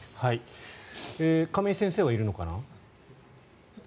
亀井先生はいるのかな？